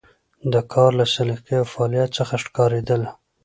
د کار له سلیقې او فعالیت څخه ښکارېدله.